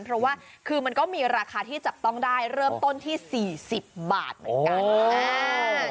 เพราะว่าคือมันก็มีราคาที่จับต้องได้เริ่มต้นที่๔๐บาทเหมือนกัน